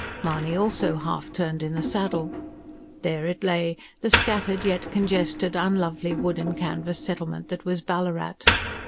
Mahony also half turned in the saddle. There it lay the scattered, yet congested, unlovely wood and canvas settlement that was Ballarat.